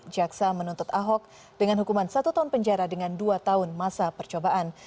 jaksa menuntut ahok dengan hukuman satu tahun penjara dengan dua tahun masa percobaan